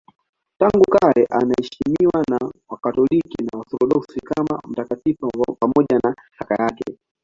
Tangu kale anaheshimiwa na Wakatoliki na Waorthodoksi kama mtakatifu pamoja na kaka yake.